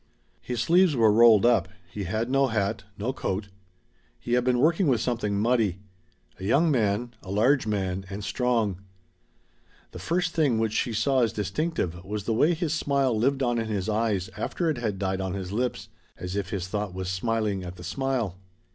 His sleeves were rolled up; he had no hat, no coat. He had been working with something muddy. A young man, a large man, and strong. The first thing which she saw as distinctive was the way his smile lived on in his eyes after it had died on his lips, as if his thought was smiling at the smile.